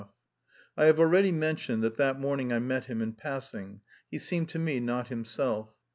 I have already mentioned that that morning I met him in passing; he seemed to me not himself.